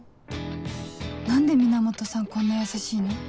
何で源さんこんな優しいの？